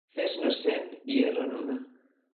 Fes-ne cent i erren una.